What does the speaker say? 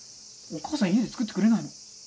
お母さん家で作ってくれないの？